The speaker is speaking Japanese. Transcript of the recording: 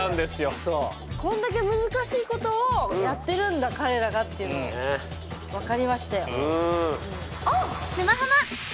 こんだけ難しいことをやってるんだ彼らがっていうのを分かりましたよ。